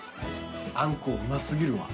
あんこうま過ぎるわ。